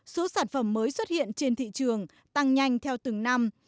số sản phẩm mới xuất hiện trên thị trường tăng nhanh theo từng năm